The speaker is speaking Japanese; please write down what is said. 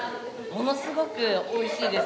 ものすごくおいしいです。